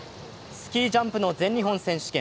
スキージャンプの全日本選手権。